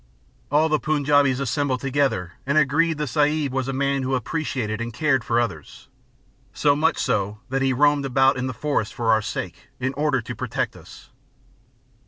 All the Punjaubis assembled together and agreed that the Sahib was a man who appreciated and cared for others, so much so that he roamed about in the forests for our sake, in order to protect us.